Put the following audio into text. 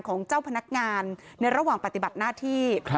ของเจ้าพนักงานในระหว่างปฏิบัติหน้าที่